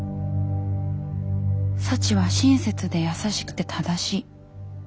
サチは親切で優しくて正しい。